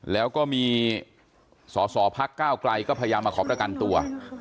แล้วก็มีสอสอพักก้าวไกลก็พยายามมาขอประกันตัว